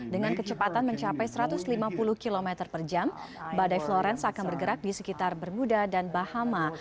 dengan kecepatan mencapai satu ratus lima puluh km per jam badai florence akan bergerak di sekitar bermuda dan bahama